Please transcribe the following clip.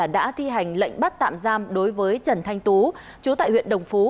đã thi hành lệnh bắt tạm giam đối với trần thanh tú chú tại huyện đồng phú